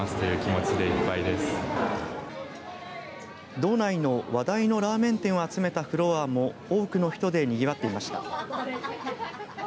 道内の話題のラーメン店を集めたフロアも多くの人でにぎわっていました。